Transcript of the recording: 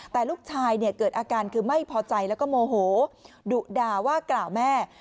แต่ลูกชายเนี่ยเกิดอาการคือไม่พอใจแล้วก็โมโหดุด่าว่ากล่าวแม่